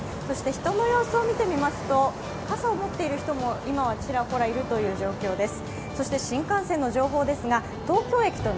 人の様子を見てみますと、傘を持っている人も、今はちらほらいるという状況です。